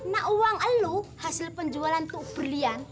nak uang lu hasil penjualan tuh berlian